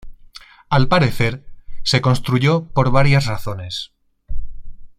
Al parecer, se construyó por varias razones.